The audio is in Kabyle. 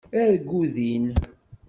Argu din!